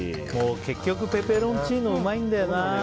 結局ペペロンチーノうまいんだよな。